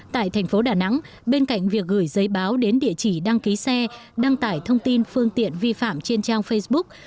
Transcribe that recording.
tại thành phố đà nẵng bên cạnh việc gửi giấy báo đến địa chỉ đăng ký xe đăng tải thông tin phương tiện vi phạm trên trang facebook